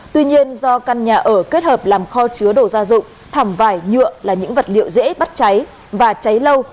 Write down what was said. tuy nhiên do căn nhà ở kết hợp làm kho chứa đồ gia dụng thảm vải nhựa là những vật liệu dễ bắt cháy và cháy lâu